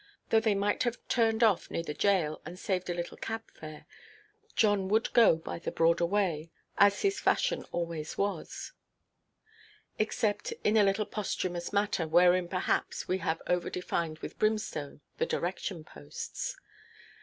Though they might have turned off near the jail, and saved a little cab fare, John would go by the broader way, as his fashion always was; except in a little posthumous matter, wherein perhaps we have over–defined with brimstone the direction–posts.